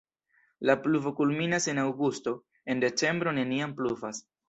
La pluvo kulminas en aŭgusto, en decembro neniam pluvas.